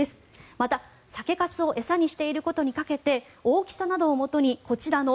また、酒かすを餌にしていることに掛けて大きさなどをもとにこちらの